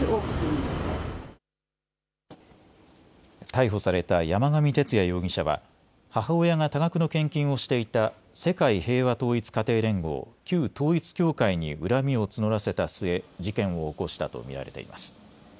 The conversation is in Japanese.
逮捕された山上徹也容疑者は母親が多額の献金をしていた世界平和統一家庭連合、旧統一教会に恨みを募らせた末、事件を起こしたと見られています。